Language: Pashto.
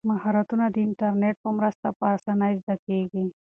مهارتونه د انټرنیټ په مرسته په اسانۍ زده کیږي.